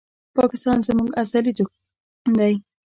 پاکستان زموږ ازلي دښمن دی